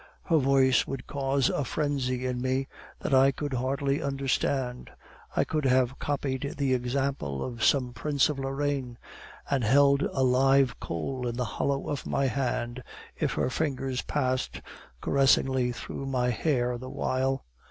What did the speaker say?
Her voice would cause a frenzy in me that I could hardly understand. I could have copied the example of some prince of Lorraine, and held a live coal in the hollow of my hand, if her fingers passed caressingly through my hair the while.